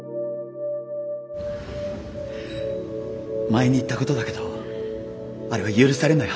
前に言ったことだけどあれは許されない発言だった。